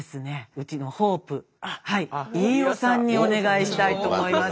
うちのホープ飯尾さんにお願いしたいと思います。